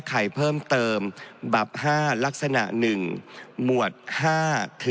และมาตรา๑๔๐๐